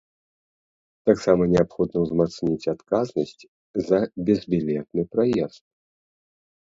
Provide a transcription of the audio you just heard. Таксама неабходна ўзмацніць адказнасць за безбілетны праезд.